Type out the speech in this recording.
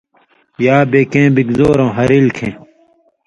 یا بے کېں بِگ زورؤں ہرلیۡ کھیں